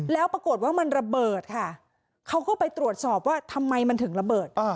แล้วปรากฏว่ามันระเบิดค่ะเขาก็ไปตรวจสอบว่าทำไมมันถึงระเบิด